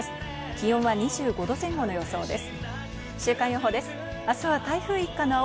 気温は２５度前後の予想です。